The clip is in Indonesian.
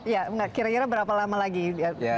ya kira kira berapa lama lagi diperbolehkan lah istilahnya